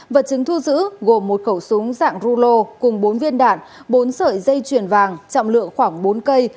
vật chứng thu giữ gồm một khẩu súng dạng rulo cùng bốn viên đạn bốn sợi dây chuyền vàng trọng lượng khoảng bốn cây